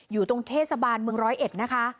อยู่ตรงเทศบาลเมืองร้อยเอ็ดนะคะ